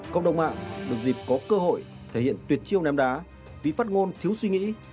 cộng đồng mạng được dịp có cơ hội thể hiện tuyệt chiêu ném đá vì phát ngôn thiếu suy nghĩ